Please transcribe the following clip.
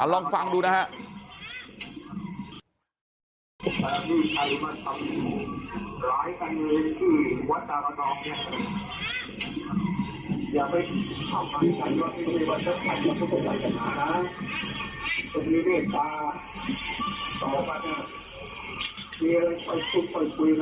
ลองฟังดูนะครับ